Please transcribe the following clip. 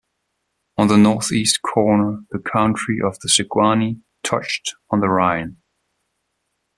On the northeast corner the country of the Sequani touched on the Rhine.